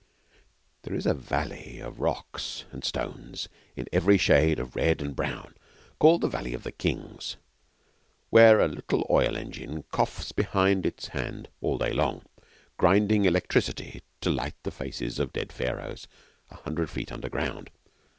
There is a valley of rocks and stones in every shade of red and brown, called the Valley of the Kings, where a little oil engine coughs behind its hand all day long, grinding electricity to light the faces of dead Pharaohs a hundred feet underground.